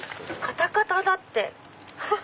カタカタだって！